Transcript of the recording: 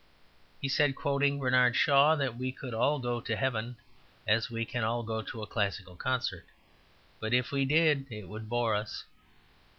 He said, quoting Bernard Shaw, that we could all go to heaven just as we can all go to a classical concert, but if we did it would bore us.